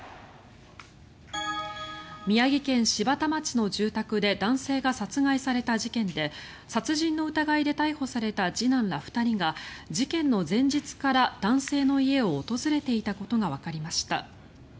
宮城県柴田町の住宅で男性が殺害された事件で殺人の疑いで逮捕された次男ら２人が事件の前日から男性の家を訪れていたことがわかりました。